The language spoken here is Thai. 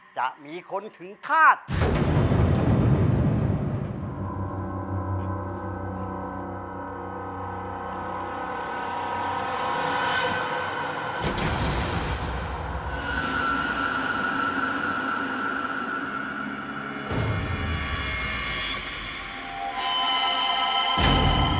จะมีคนถึงธาตุ